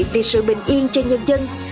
vì sự bình yên cho nhân dân